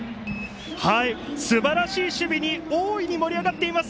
すばらしい守備に大いに盛り上がっています